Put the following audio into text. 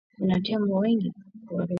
Kuna tembo wengi porini.